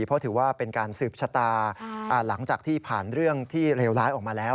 เพราะถือว่าเป็นการสืบชะตาหลังจากที่ผ่านเรื่องที่เลวร้ายออกมาแล้ว